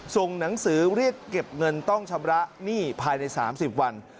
ส่งหนังสือเรียกเก็บเงินต้องชำระหนี้ภายใน๓๐วัน